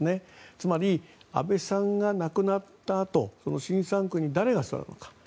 つまり安倍さんが亡くなったあと新３区に誰が座るか。